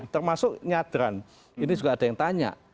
termasuk nyadran ini juga ada yang tanya